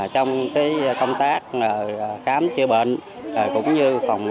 trong cái công tác khám chữa bệnh cũng như phòng chống dịch bệnh tại địa phương